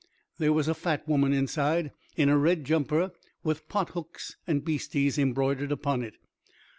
There was a fat woman inside in a red jumper with pothooks and beasties embroidered upon it.